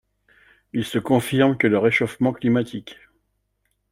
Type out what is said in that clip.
Il se confirme que le réchauffement climatique